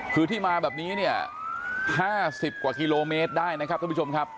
คือที่มาแบบนี้เนี่ย๕๐กว่ากิโลเมตรได้นะครับท่านผู้ชมครับ